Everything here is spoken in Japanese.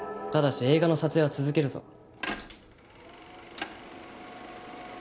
ただし映画の撮影は続けるぞ。